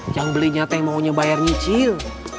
yang beli nyata yang maunya bayar nyicil